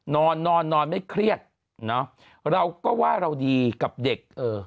นอนนอนนอนไม่เครียดเราก็ว่าเราดีกับเด็ก